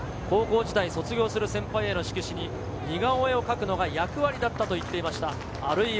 高校時代、卒業する先輩への色紙に似顔絵を描くのが役割だったと言っていました。